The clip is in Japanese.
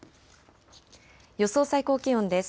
予想最高気温です。